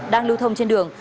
đang lưu thông trên đường